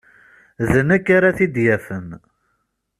D nekk ara t-id-yafen.